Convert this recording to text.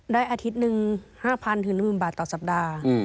อาทิตย์หนึ่ง๕๐๐๑๐๐บาทต่อสัปดาห์